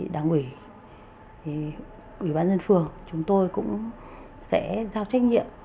đảng ủy ủy ban dân phường chúng tôi cũng sẽ giao trách nhiệm